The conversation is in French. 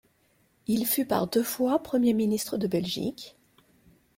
Il fut par deux fois premier ministre de Belgique.